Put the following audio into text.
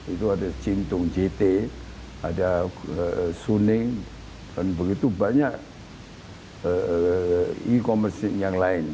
itu ada cintung jt ada suning dan begitu banyak e commerce yang lain